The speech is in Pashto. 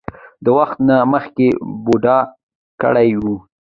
د وخت نه مخکښې بوډا کړے وۀ ـ